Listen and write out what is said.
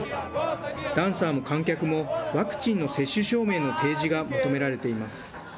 ダンサーも観客も、ワクチンの接種証明の提示が求められています。